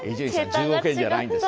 １０億円じゃないんです。